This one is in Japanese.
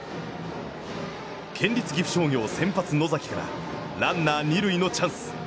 県立岐阜商業、先発野崎からランナー二塁のチャンス。